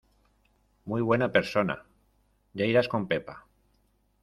¡Muy buena persona! ya irás con pepa.